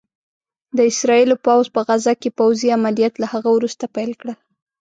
د اسرائيلو پوځ په غزه کې پوځي عمليات له هغه وروسته پيل کړل